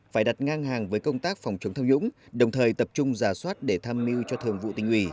phải đặt ngang hàng với công tác phòng chống tham nhũng đồng thời tập trung giả soát để tham mưu cho thường vụ tình ủy